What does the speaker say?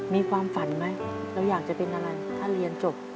มีความฝันไหมเราอยากจะเป็นอะไรถ้าเรียนจบ